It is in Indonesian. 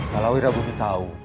kalau ira bumi tahu